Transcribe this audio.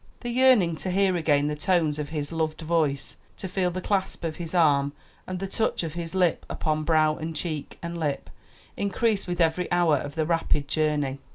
The yearning to hear again the tones of his loved voice, to feel the clasp of his arm and the touch of his lip upon brow and cheek and lip, increased with every hour of the rapid journey.